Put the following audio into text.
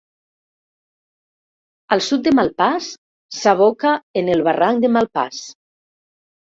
Al sud de Malpàs s'aboca en el barranc de Malpàs.